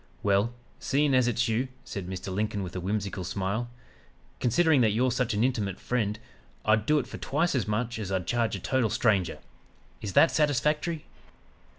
"'Well, seein' as it's you,' said Mr. Lincoln with a whimsical smile, 'considering that you're such an intimate friend, I'd do it for twice as much as I'd charge a total stranger! Is that satisfactory?'